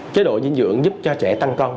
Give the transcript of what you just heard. chế độ dinh dưỡng giúp cho trẻ tăng cân